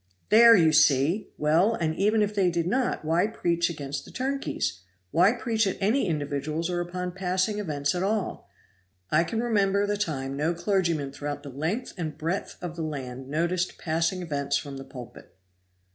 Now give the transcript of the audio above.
"There you see! Well, and even if they did not, why preach against the turnkeys? why preach at any individuals or upon passing events at all? I can remember the time no clergyman throughout the length and breadth of the land noticed passing events from the pulpit."